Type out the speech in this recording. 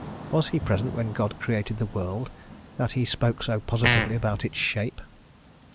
Was he present when God created the world, that he spoke so positively about its shape?